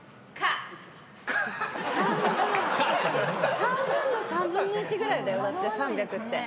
半分の３分の１ぐらいだよ３００って。